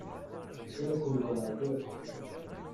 Tettarra-ken deg uɛewwiq.